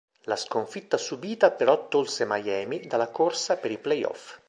La sconfitta subita però tolse Miami dalla corsa per i playoff.